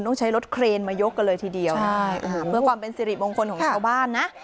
ต้องใช้รถเครนมายกกันเลยทีเดียวใช่เพื่อความเป็นสิริมงคลของชาวบ้านนะ